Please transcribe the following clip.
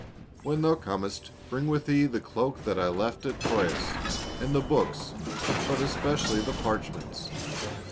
"When thou Comest, bring with thee the cloak that I left at Troas, and the books, but especially the parch ments.